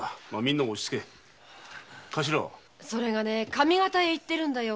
上方に行ってるんだよ。